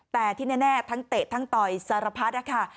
แต่ที่แน่ทั้งเตะทั้งต่อยสารพัดนะคะ